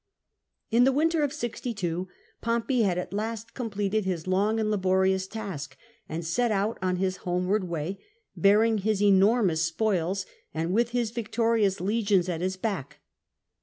POMPEY RETURNS TO ITALY 261 In the winter of 62 Pompey had at last completed Ms long and laborious task, and set out on his homeward way, hearing his enormous spoils, and with his victorious legions at his back.